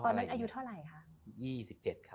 ตอนนี้อายุเท่าไหร่คะ